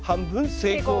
成功。